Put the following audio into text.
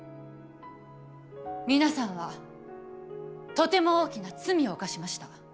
皆さんはとても大きな罪を犯しました。